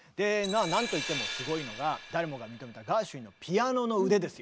なんといってもすごいのが誰もが認めたガーシュウィンのピアノの腕ですよ。